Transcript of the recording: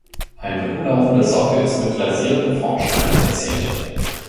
Ein umlaufender Sockel ist mit glasierten Formsteinen verziert.